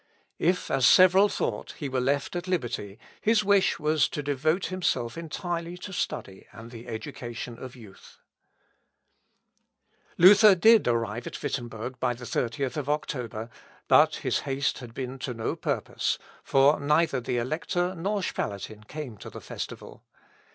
If, as several thought, he were left at liberty, his wish was to devote himself entirely to study and the education of youth. Luth. Op. (L.) xvii, p. 183. Luther did arrive at Wittemberg by the 30th October; but his haste had been to no purpose, for neither the Elector nor Spalatin came to the festival.